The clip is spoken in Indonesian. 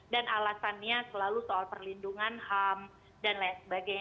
dan alasannya selalu soal perlindungan ham dan lain sebagainya